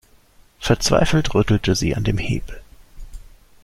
Verzweifelt rüttelte sie an dem Hebel.